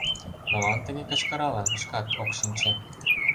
Молан тыге кычкыралын, шкат ок шинче.